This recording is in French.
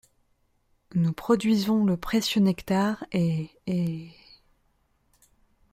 Nous produisons le précieux nectar et, et…